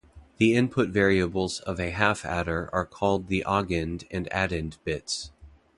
The input variables of a half adder are called the augend and addend bits.